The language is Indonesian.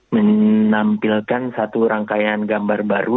menampilkan satu rangkaian gambar baru